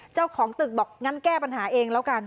เจ้าของตึกบอกงั้นแก้ปัญหาเองแล้วกัน